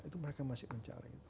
itu mereka masih mencari